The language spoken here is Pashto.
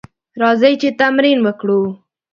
راځئ چې تمرين وکړو.